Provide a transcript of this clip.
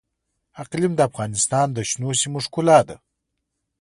اقلیم د افغانستان د شنو سیمو ښکلا ده.